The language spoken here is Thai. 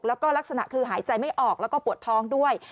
แล้วก็ลักษณะคือหายใจไม่ออกแล้วก็ปวดท้องด้วย